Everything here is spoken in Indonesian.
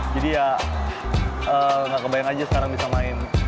jadi ya gak kebayang aja sekarang bisa main